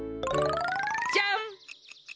じゃん！